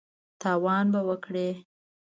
تاوان به وکړې !